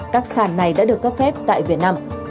các sàn này đã được cấp phép tại việt nam